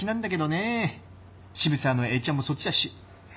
渋沢の栄ちゃんもそっちだし。